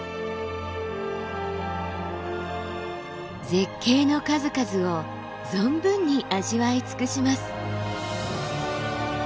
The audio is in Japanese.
絶景の数々を存分に味わい尽くします。